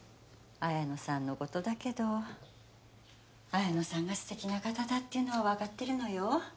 あやのさんのことだけどあやのさんがすてきな方だっていうのはわかってるのよ。